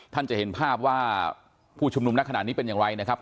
ท่านจะเห็นภาพว่าผู้ชุมนุมนักขนาดนี้เป็นอย่างไรนะครับ